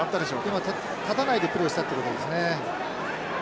今立たないでプレーをしたってことですね。